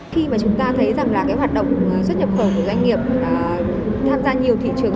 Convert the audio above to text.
khi mà chúng ta thấy rằng là cái hoạt động xuất nhập khẩu của doanh nghiệp tham gia nhiều thị trường